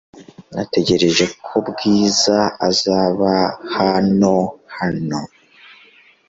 Natekereje ko Bwiza azaba hano hano .